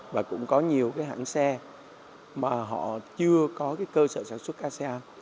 và cũng có nhiều hãng xe mà họ chưa có cơ sở sản xuất asean